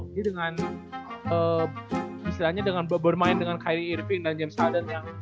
jadi dengan istilahnya dengan bermain dengan kyrie irving dan james harden yang